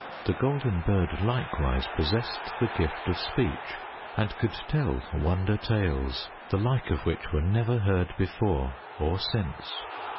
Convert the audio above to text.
The Golden Bird likewise possessed the gift of speech and could tell wonder tales the like of which were never heard before or since.